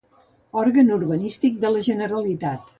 Òrgan urbanístic de la Generalitat.